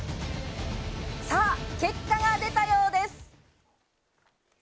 さあ、結果が出たようです。